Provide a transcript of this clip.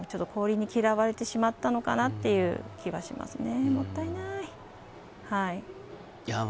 氷に嫌われてしまったのかなという気がしますね、もったいない。